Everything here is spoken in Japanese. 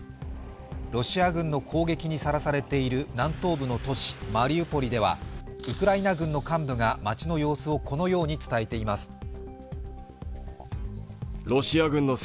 ロシア軍の攻撃にさらされている南東部の都市マリウポリではウクライナ軍の幹部が街の様子をこのように伝えています。